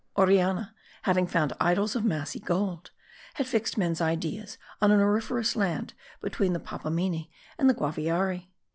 Orellana, having found idols of massy gold, had fixed men's ideas on an auriferous land between the Papamene and the Guaviare.